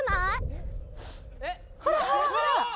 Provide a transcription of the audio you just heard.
ほらほらほら